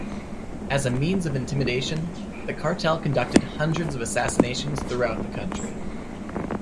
As a means of intimidation, the cartel conducted hundreds of assassinations throughout the country.